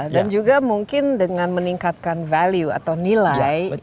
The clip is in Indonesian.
dan juga mungkin dengan meningkatkan value atau nilai